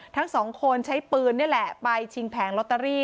ทั้งสองคนใช้ปืนนี่แหละไปชิงแผงลอตเตอรี่